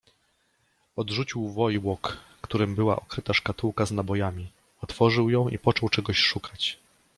Odrzucił wojłok, którym była okryta szkatułka z nabojami, otworzył ją i począł czegoś szukać.